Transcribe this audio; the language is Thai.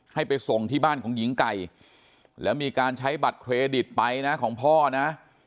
ให้ไปส่งที่บ้านของหญิงไก่แล้วมีการใช้บัตรเครดิตไปนะของพ่อนะ